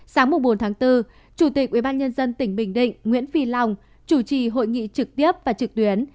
sáng bốn tháng bốn chủ tịch ubnd tỉnh bình định nguyễn phi long chủ trì hội nghị trực tiếp và trực tuyến